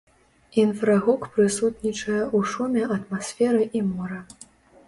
Інфрагук прысутнічае ў шуме атмасферы і мора.